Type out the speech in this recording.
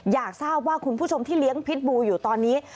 อยากทราบว่าคุณผู้ชมที่เลี้ยงพิษบูอยู่ตอนนี้